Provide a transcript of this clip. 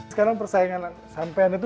sekarang persaingan sampaian itu